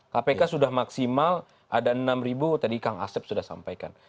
kpk sudah maksimal ada enam ribu tadi kang asep sudah sampaikan